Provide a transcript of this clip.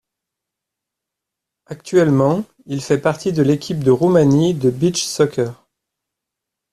Actuellement, il fait partie de l'équipe de Roumanie de beach soccer.